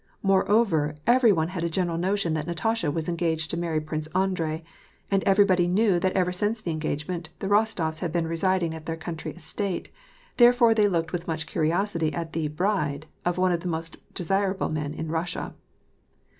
Moreover, every one had a general notion that Natasha was engaged to marry Prince Andrei, and everybody knew that ever since the en gagement the Rostof s had been residing at their country estate ; therefore they looked with much curiosity at the " bride " of one of the most desirable men in Russia.